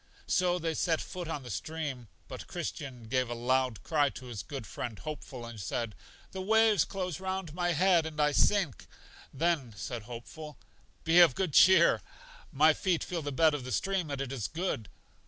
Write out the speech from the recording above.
So they set foot on the stream, but Christian gave a loud cry to his good friend Hopeful, and said: The waves close round my head, and I sink. Then said Hopeful: Be of good cheer; my feet feel the bed of the stream, and it is good.